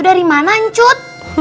dari mana ncut